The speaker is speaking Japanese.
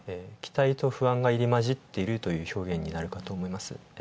期待と不安が入り混じっているという表現になるかと思います。